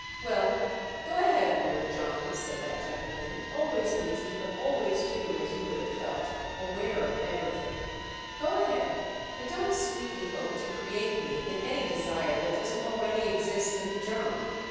"Well, go ahead, Lord John," said that gentleman, always easy, but always too, as you would have felt, aware of everything—"go ahead, but don't sweetly hope to create me in any desire that doesn't already exist in the germ.